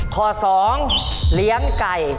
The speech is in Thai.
ข้อ๒เลี้ยงไก่